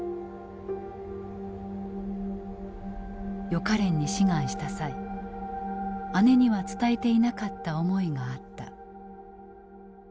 予科練に志願した際姉には伝えていなかった思いがあった。